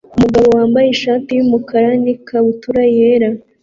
Umugabo wambaye ishati yumukara nikabutura yera